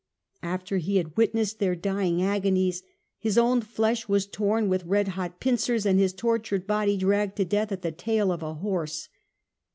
After he had witnessed their dying agonies his own flesh was torn with red hot pincers and his tortured body dragged to death at the tail of a horse.